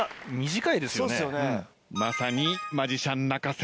まさにマジシャン泣かせ